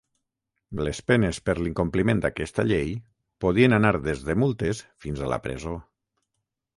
Les penes per l'incompliment d'aquesta llei podien anar des de multes fins a la presó.